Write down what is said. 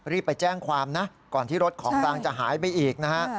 ไปแจ้งความนะก่อนที่รถของกลางจะหายไปอีกนะฮะ